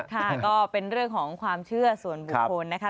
ก็เป็นเรื่องของความเชื่อส่วนบุคคลนะคะ